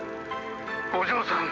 お嬢さん。